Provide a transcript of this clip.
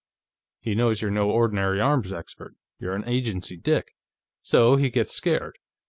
He knows you're no ordinary arms expert; you're an agency dick. So he gets scared.